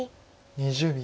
２０秒。